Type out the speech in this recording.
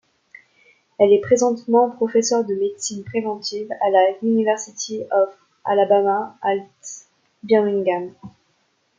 Elle est présentement professeure de médecine préventive à la University of Alabama at Birmingham.